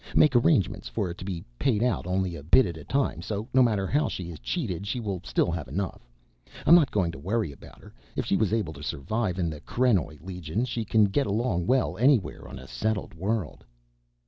Make arrangements for it to be paid out only a bit at a time, so no matter how she is cheated she will still have enough. I'm not going to worry about her, if she was able to survive in the krenoj legion she can get along well anywhere on a settled world."